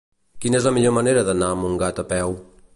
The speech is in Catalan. Quina és la millor manera d'anar a Montgat a peu?